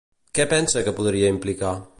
Què pensa que podria implicar?